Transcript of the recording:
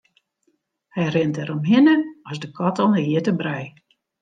Hy rint deromhinne rinne as de kat om de hjitte brij.